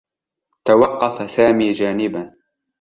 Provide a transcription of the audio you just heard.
توقّف سامي جانبا.